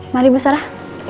mari ibu sarah